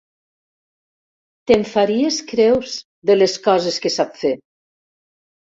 Te'n faries creus, de les coses que sap fer!